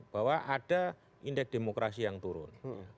bahwa ada indeks demokrasi yang turun